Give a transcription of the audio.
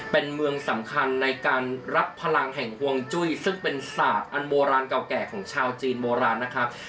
เป็นเมืองสำคัญในการรับพลังแห่งฮวงจุ้ยซึ่งเป็นศาสตร์อันโบราณเก่าแก่ของชาวจีนโบราณนะครับ